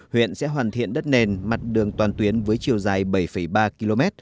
huyện sẽ hoàn thiện đất nền mặt đường toàn tuyến với chiều dài bảy ba km